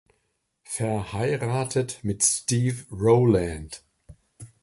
Verheiratet mit Steve Rowland.